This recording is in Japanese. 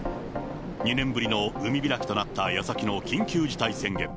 ２年ぶりの海開きとなったやさきの緊急事態宣言。